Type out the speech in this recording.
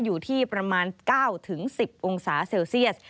อยู่ที่ประมาณ๙๑๐องศาเซลเซียส